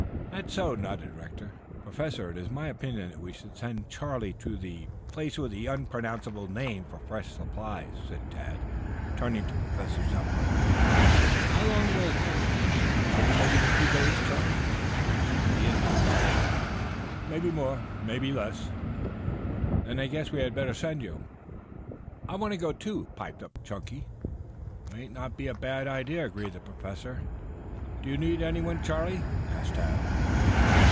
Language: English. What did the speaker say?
"That's so," nodded Rector. "Professor, it is my opinion that we should send Charlie to to the place with the unpronounceable name for fresh supplies," said Tad, turning to Professor Zepplin. "How long will it take?" "Can you make it in two days, Charlie?" The Indian nodded. "Mebby more, mebby less." "Then I guess we had better send you." "I want to go, too," piped Chunky. "It might not be a bad idea," agreed the Professor. "Do you need any one, Charlie?" asked Tad.